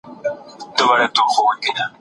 که اقتصاد ښه سي هیواد پرمختګ کوي.